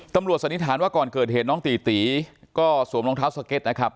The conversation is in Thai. สันนิษฐานว่าก่อนเกิดเหตุน้องตีตีก็สวมรองเท้าสเก็ตนะครับ